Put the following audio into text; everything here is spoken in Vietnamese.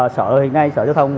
sở hiện nay sở giao thông